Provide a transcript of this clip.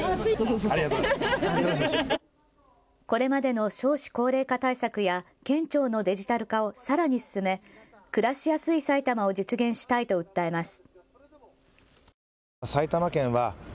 これまでの少子高齢化対策や県庁のデジタル化をさらに進め暮らしやすい埼玉を実現したいと訴えます。